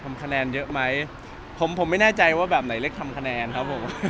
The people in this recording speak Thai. คะแนนเยอะไหมผมผมไม่แน่ใจว่าแบบไหนเล็กทำคะแนนครับผม